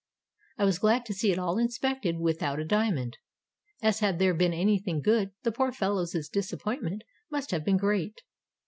I was glad to see it all inspected without a diamond, as had there been anything good the poor fellow's disappointment must have been great.